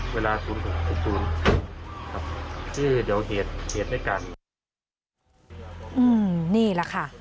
เวลาตูนครับชื่อเดี๋ยวเหตุเหตุด้วยกันอืมนี่แหละค่ะ